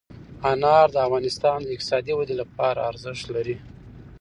انار د افغانستان د اقتصادي ودې لپاره ارزښت لري.